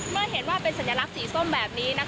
เมื่อเห็นว่าเป็นสัญลักษณ์สีส้มแบบนี้